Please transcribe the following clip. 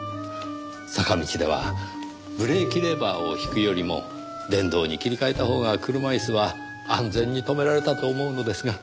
坂道ではブレーキレバーを引くよりも電動に切り替えたほうが車椅子は安全に止められたと思うのですが。